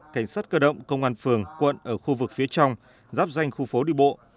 cảnh sát cơ động công an phường quận ở khu vực phía trong giáp danh khu phố đi bộ